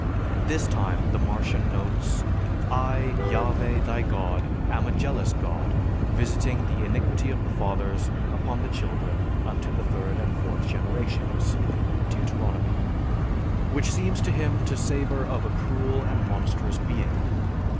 This time the Martian notes, "I, Yahveh, thy God, am a jealous God, visiting the iniquity of the fathers upon the children unto the third and fourth generations" (Deut.), which seems to him to savor of a cruel and monstrous being.